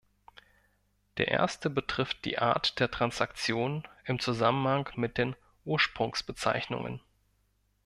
Der erste betrifft die Art der Transaktion im Zusammenhang mit den Ursprungsbezeichnungen.